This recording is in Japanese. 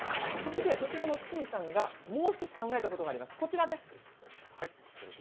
こちらの堤さんがもう１つ考えたものがあります。